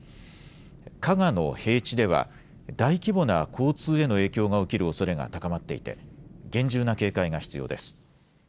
加賀の平地では大規模な交通への影響が起きるおそれが高まっていて厳重な警戒が必要です。